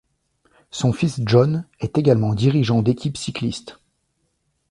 Son fils John est également dirigeant d'équipe cycliste.